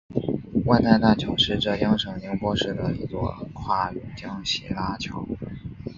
外滩大桥是浙江省宁波市一座跨甬江斜拉桥。